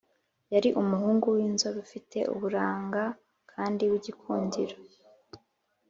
Yari umuhungu w’inzobe ufite uburanga kandi w’igikundiro.